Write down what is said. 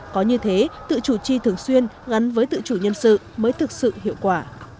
có như thế tự chủ chi thường xuyên gắn với tự chủ nhân sự mới thực sự hiệu quả